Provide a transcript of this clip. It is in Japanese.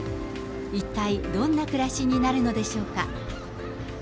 一体、どんな暮らしになるのでしょうか。